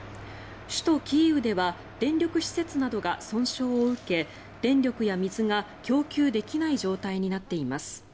首都キーウでは電力施設などが損傷を受け電力や水が供給できない状態になっています。